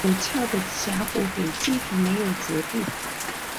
陡峭的峡谷壁几乎没有植被。